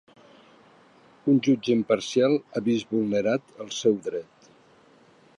Un jutge imparcial ha vist vulnerat el seu dret.